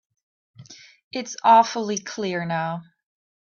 It's awfully clear now.